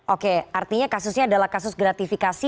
oke artinya kasusnya adalah kasus gratifikasi